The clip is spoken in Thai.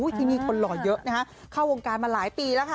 ที่นี่คนหล่อเยอะนะฮะเข้าวงการมาหลายปีแล้วค่ะ